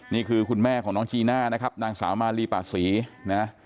นี่คือคุณแม่ของน้องจีน่านะครับนางสาวมาลีป่าศรีนะ